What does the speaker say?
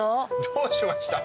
どうしました？